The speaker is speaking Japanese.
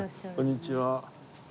こんにちは。